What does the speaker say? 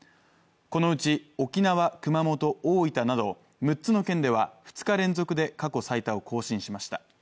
このうち沖縄、熊本、大分など６つの県では２日連続で過去最多を更新しました。